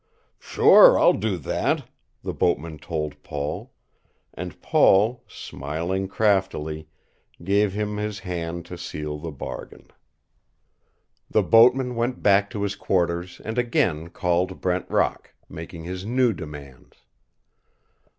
"Sure I'll do that," the boatman told Paul, and Paul, smiling craftily, gave him his hand to seal the bargain. The boatman went back to his quarters and again called Brent Rock, making his new demands.